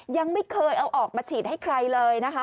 ยังไม่เคยเอาออกมาฉีดให้ใครเลยนะคะ